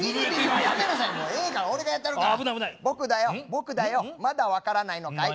僕だよまだ分からないのかい。